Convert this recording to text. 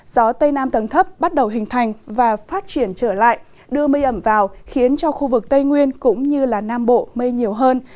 gió tây nam tầng thấp bắt đầu hình thành và phát triển trở lại đưa mây ẩm vào khiến cho khu vực tây nguyên cũng như nam bộ mây nhiều hơn